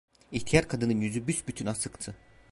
İhtiyar kadının yüzü büsbütün asıktı.